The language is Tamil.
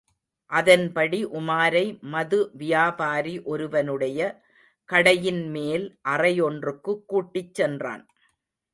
அதன்படி உமாரை மது வியாபாரி ஒருவனுடைய கடையின் மேல் அறையொன்றுக்கு கூட்டிச் சென்றான்.